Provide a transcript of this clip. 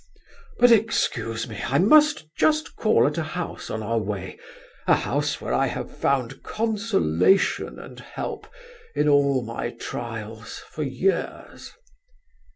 But, excuse me, I must just call at a house on our way, a house where I have found consolation and help in all my trials for years."